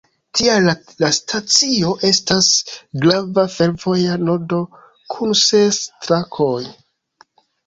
Tial la stacio estas grava fervoja nodo, kun ses trakoj.